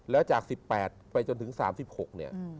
แล้วจาก๑๘ไปจนถึง๓๖เนี่ย